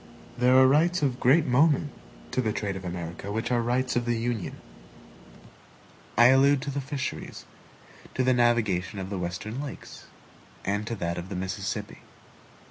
There are rights of great moment to the trade of America which are rights of the Union I allude to the fisheries, to the navigation of the Western lakes, and to that of the Mississippi.